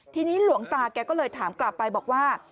ทีนี้หลวงตาแกก็เลยถามกลับไปบอกว่า